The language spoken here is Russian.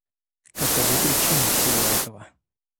Каковы причины всего этого?